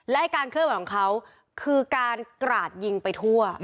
และการเคลื่อนไหวของเขาคือการกราดยิงไปทั่ว